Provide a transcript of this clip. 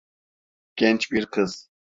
Genç bir kız.